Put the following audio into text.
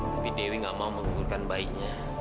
tapi dewi gak mau menguburkan bayinya